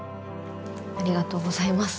ありがとうございます。